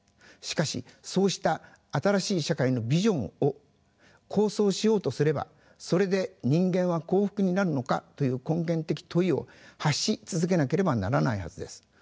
しかしそうした新しい社会のビジョンを構想しようとすればそれで人間は幸福になるのかという根源的問いを発し続けなければならないはずです。